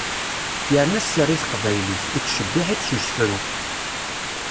Yerna sser i teqbaylit, ittcebbiḥ-itt s usefru.